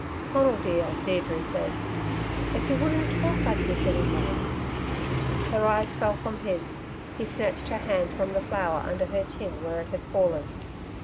"Conal dear," Deirdre said. "If you wouldn't talk like this any more!" Her eyes fell from his. He snatched her hand from the flower under her chin where it had fallen.